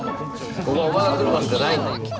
ここはお前が来る場所じゃないんだ。